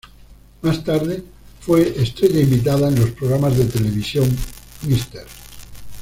Más tarde fue estrella invitada en los programas de televisión "Mr.